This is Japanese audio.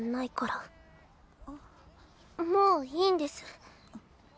もういいんです。